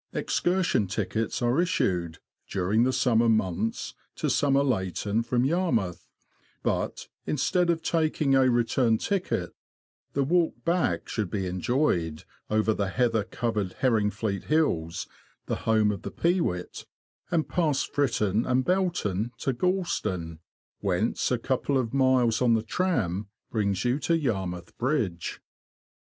Excursion tickets are issued, during the summer months, to Somerleyton from Yarmouth ; but, instead YARMOUTH TO LOWESTOFT. 33 of taking a return ticket, the walk back should be enjoyed, over the heather covered Herringfleet hills, the home of the pewit, and past Fritton and Belton, to Gorleston, whence a couple of miles on the tram brings you to Yarmouth Bridge.